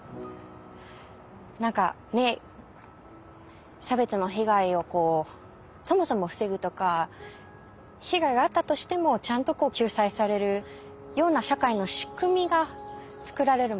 何かねっ差別の被害をそもそも防ぐとか被害があったとしてもちゃんと救済されるような社会の仕組みがつくられるまで。